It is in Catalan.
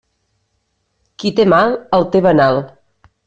Qui té mal, el té venal.